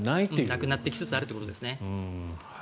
なくなってきつつあるということですね。